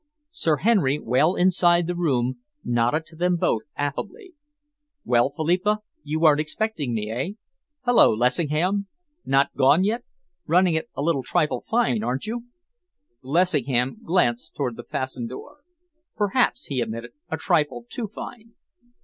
Sir Henry, well inside the room, nodded to them both affably. "Well, Philippa? You weren't expecting me, eh? Hullo, Lessingham! Not gone yet? Running it a trifle fine, aren't you?" Lessingham glanced towards the fastened door. "Perhaps," he admitted, "a trifle too fine."